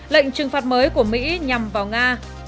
lệnh trừng phạt mới của mỹ nhằm vào nga